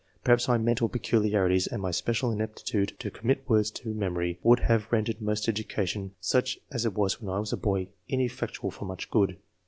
Perhaps my mental peculiarities and my special inaptitude to commit words to memory woidd have ren dered most education, such as it was when I was a boy, ineffectual for much good.